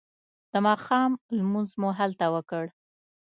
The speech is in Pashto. د ماښام لمونځ مو هلته وکړ.